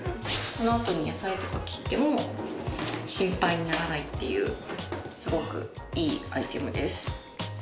このあとに野菜とか切っても心配にならないっていうすごくいいアイテムです。